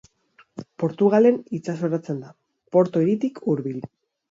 Portugalen itsasoratzen da, Porto hiritik hurbil.